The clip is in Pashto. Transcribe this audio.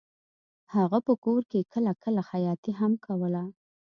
هغه په کور کې کله کله خیاطي هم کوله